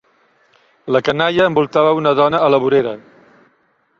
La canalla envoltava una dona a la vorera.